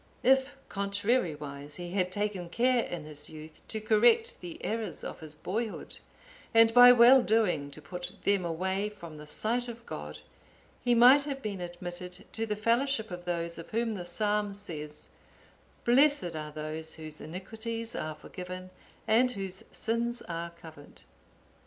If, contrarywise, he had taken care in his youth to correct the errors of his boyhood, and by well doing to put them away from the sight of God, he might have been admitted to the fellowship of those of whom the Psalm says, "Blessed are those whose iniquities are forgiven, and whose sins are covered."